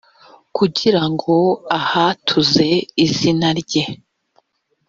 kugira ngo ahatuze izina rye.